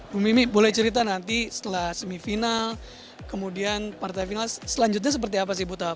bu mimik boleh cerita nanti setelah semifinal kemudian partai final selanjutnya seperti apa